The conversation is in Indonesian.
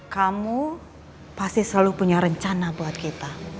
kamu pasti selalu punya rencana buat kita